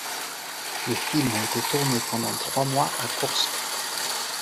Le film a été tourné pendant trois mois à Koursk.